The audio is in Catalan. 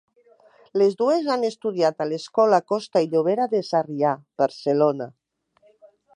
Les dues han estudiat a l'Escola Costa i Llobera de Sarrià, Barcelona.